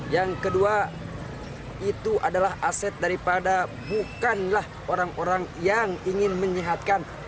yang kedua itu adalah aset daripada bukanlah orang orang yang ingin menyehatkan